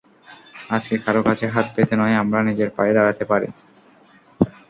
আজকে কারও কাছে হাত পেতে নয়, আমরা নিজের পায়ে দাঁড়াতে পারি।